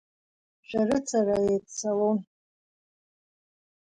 Шәарыцара еиццалон.